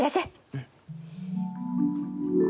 うん。